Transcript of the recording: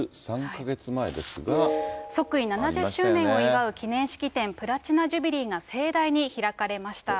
即位７０周年を祝う記念式典、プラチナ・ジュビリーが盛大に開かれました。